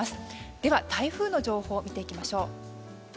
では、台風の情報を見ていきましょう。